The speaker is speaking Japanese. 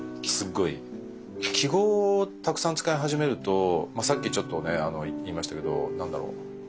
記号をたくさん使い始めるとさっきちょっとね言いましたけど何だろう。